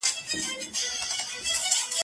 که حساب دی